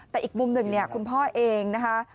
แต่อีกมุมหนึ่งคุณพ่อเองนะฮะ